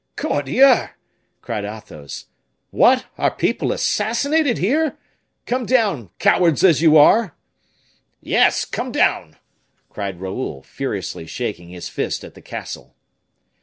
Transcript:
"Cordieu!" cried Athos. "What, are people assassinated here? Come down, cowards as you are!" "Yes, come down!" cried Raoul, furiously shaking his fist at the castle.